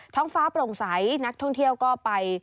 ท้องฟ้าโปร่งใสนักท่องเที่ยวก็ไป